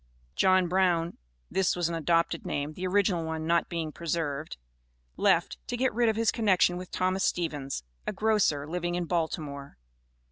John Brown (this was an adopted name, the original one not being preserved), left to get rid of his connection with Thomas Stevens, a grocer, living in Baltimore.